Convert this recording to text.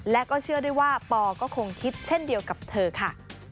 และก็เชื่อได้ว่าปอก็คงคิดเช่นเดียวกับเธอค่ะ